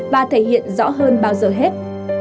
và thể hiện rõ hơn bao giờ hết